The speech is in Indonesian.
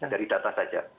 dari data saja